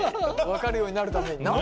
分かるようになるためにな。